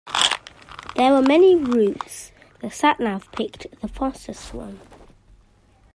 There were many routes, the sat-nav picked the fastest one.